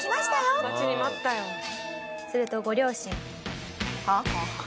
するとご両親はっ？